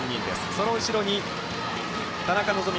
その後ろに田中希実。